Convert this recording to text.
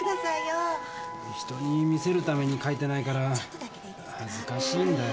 他人に見せるために書いてないから恥ずかしいんだよ。